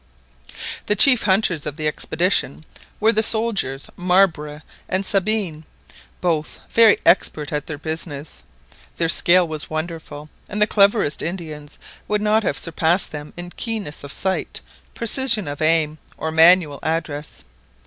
The chief hunters of the expedition were the soldiers Marbre and Sabine, both very expert at their business. Their skill was wonderful; and the cleverest Indians would not have surpassed them in keenness of sight, precision of aim, or manual address.